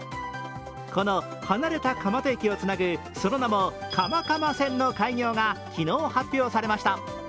この離れた蒲田駅をつなぐ、その名も蒲蒲線の開業が昨日発表されました。